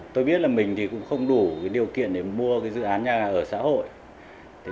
tôi biết là mình thì cũng không đủ điều kiện để mua dự án nhà ở xã hội